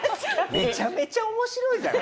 めちゃめちゃ面白いじゃない。